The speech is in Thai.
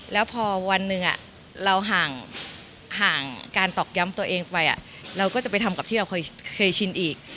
แล้วพอวันหนึ่งเราห่างการตอกย้ำตัวเองไปเราก็จะไปทำกับที่เราเคยชินอีก